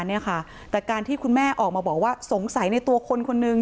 เนี่ยค่ะแต่การที่คุณแม่ออกมาบอกว่าสงสัยในตัวคนคนหนึ่ง